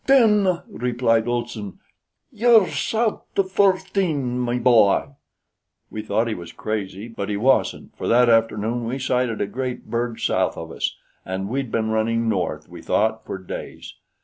"Then," replied Olson, "ye're sout' of fourteen, me b'y." We thought he was crazy; but he wasn't, for that afternoon we sighted a great berg south of us, and we'd been running north, we thought, for days.